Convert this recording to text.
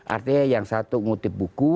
artinya yang satu ngutip buku